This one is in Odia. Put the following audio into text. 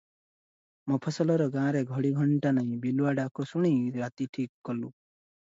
ମଫସଲର ଗାଁରେ ଘଡ଼ି ଘଣ୍ଟା ନାହିଁ, ବିଲୁଆ ଡାକ ଶୁଣି ରାତି ଠିକ୍ କଲୁଁ ।